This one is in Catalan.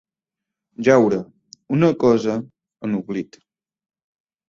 Jaure, una cosa, en oblit.